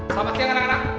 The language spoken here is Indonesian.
selamat siang anak anak